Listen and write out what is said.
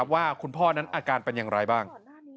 ว่าคุณพ่อนั้นอาการเป็นอย่างไรบ้าง